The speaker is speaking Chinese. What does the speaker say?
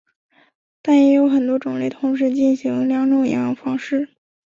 但也有很多种类同时行两种营养方式。